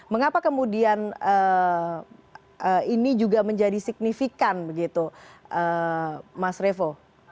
mengapa kemudian ini juga menjadi signifikan begitu mas revo